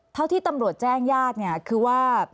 เท่าที่ตำรวจแจ้งญาติเนี่ยคือว่า